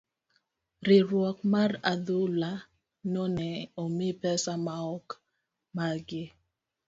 riwruok mar adhula no ne omi pesa maok margi.